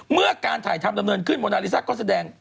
เมื่อการถ่ายทำดำเนินขึ้นโมนาลิซ่าก็แสดง